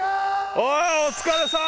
お疲れさん